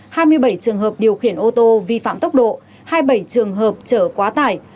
hai mươi bảy trường hợp điều khiển ô tô vi phạm tốc độ hai mươi bảy trường hợp chở quá tải